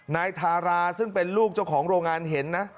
นายทาราซึ่งเป็นลูกเจ้าของโรงงานเห็นนะ